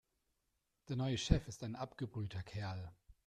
Der neue Chef ist ein abgebrühter Kerl.